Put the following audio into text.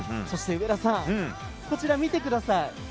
そして上田さん、見てください。